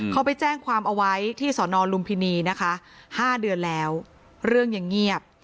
เขาไปแจ้งความเอาไว้ที่สนลุมพินีนะคะ๕เดือนแล้วเรื่องยังเงียบ